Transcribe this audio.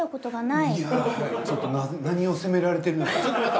いやぁちょっと何を責められてるのか。